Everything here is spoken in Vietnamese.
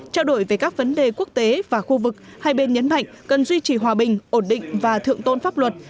trao đổi về các vấn đề quốc tế và khu vực hai bên nhấn mạnh cần duy trì hòa bình ổn định và thượng tôn pháp luật